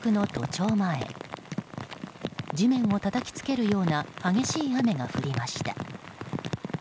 地面をたたきつけるような激しい雨が降りました。